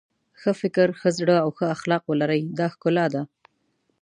ښه فکر ښه زړه او ښه اخلاق ولرئ دا ښکلا ده.